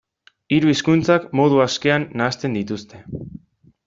Hiru hizkuntzak modu askean nahasten dituzte.